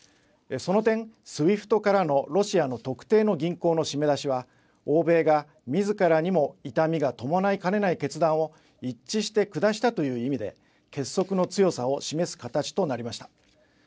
その点、ＳＷＩＦＴからのロシアの特定の銀行の締め出しは欧米がみずからにも痛みが伴いかねない決断を一致して下したという意味で結束の強さを示す形となりました。